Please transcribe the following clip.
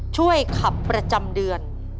ช่วยขับประจำเดือน